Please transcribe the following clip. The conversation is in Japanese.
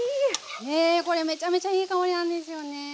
ねこれめちゃめちゃいい香りなんですよね。